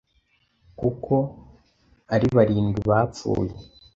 kuko ari barindwi bapfuye